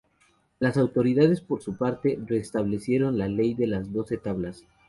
Las autoridades, por su parte, restablecieron la ley de las Doce Tablas.